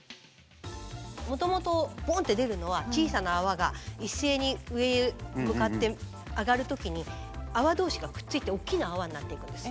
もともとボンって出るのは小さな泡が一斉に上へ向かって上がる時に泡同士がくっついて大きな泡になっていくんです。